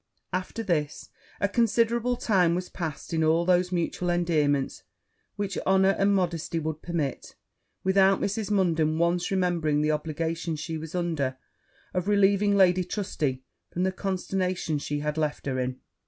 After this a considerable time was passed in all those mutual endearments which honour and modesty would permit, without Mrs. Munden once remembering the obligations she was under of relieving Lady Trusty from the consternation she had left her in.